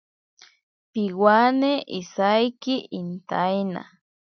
Piwane isaiki intaina.